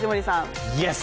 イエス！